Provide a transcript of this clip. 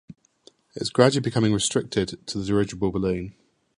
It is gradually becoming restricted to the dirigible balloon.